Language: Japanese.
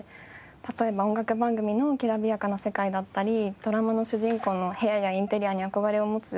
例えば音楽番組のきらびやかな世界だったりドラマの主人公の部屋やインテリアに憧れを持つ。